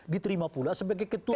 diterima pula sebagai ketua